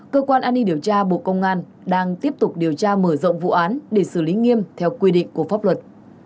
cơ quan an ninh điều tra bộ công an đang tiếp tục điều tra mở rộng vụ án để xử lý nghiêm theo quy định của pháp luật